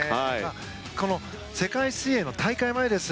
この世界水泳の大会前です。